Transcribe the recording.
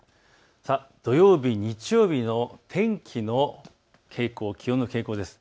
土曜日、日曜日の天気の傾向、気温の傾向です。